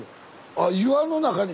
あ岩の中に。